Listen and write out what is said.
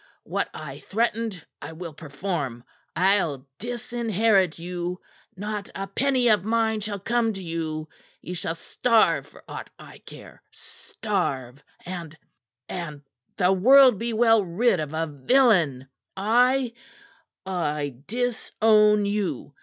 What I threatened, I will perform. I'll disinherit you. Not a penny of mine shall come to you. Ye shall starve for aught I care; starve, and and the world be well rid of a villain. I I disown you.